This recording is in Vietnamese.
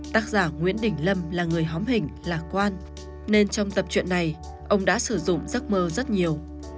tác giả nguyễn đình lâm là người hóm hình lạc quan nên trong tập truyện này ông đã sử dụng giấc mơ rất nhiều